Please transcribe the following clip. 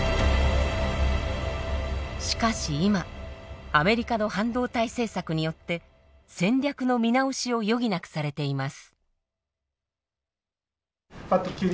しかし今アメリカの半導体政策によって戦略の見直しを余儀なくされています。